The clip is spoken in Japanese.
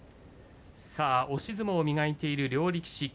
押し相撲を磨いている両力士。